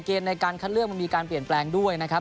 เกณฑ์ในการคัดเลือกมันมีการเปลี่ยนแปลงด้วยนะครับ